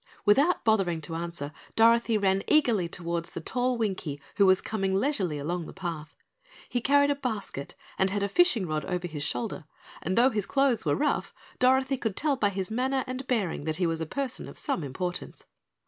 Without bothering to answer, Dorothy ran eagerly toward the tall Winkie who was coming leisurely along the path. He carried a basket and had a fishing rod over his shoulder, and though his clothes were rough, Dorothy could tell by his manner and bearing that he was a person of some importance.